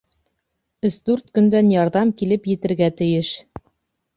Өс-дүрт көндән ярҙам килеп етергә тейеш.